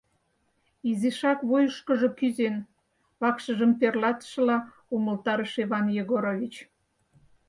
— Изишак вуйышкыжо кӱзен, — вакшыжым тӧрлатышыла, умылтарыш Иван Егорович.